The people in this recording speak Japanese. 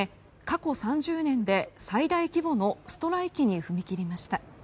過去３０年で最大規模のストライキに踏み切りました。